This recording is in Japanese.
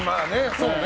そうね。